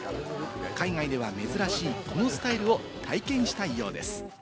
海外では珍しいこのスタイルを体験したいようです。